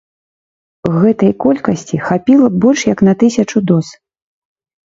Гэтай колькасці хапіла б больш як на тысячу доз.